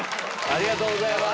ありがとうございます。